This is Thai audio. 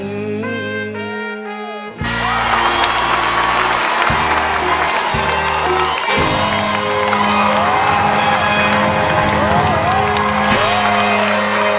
จากธนาคารกรุงเทพฯ